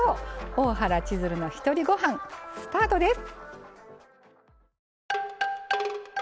「大原千鶴のひとりごはん」スタートです。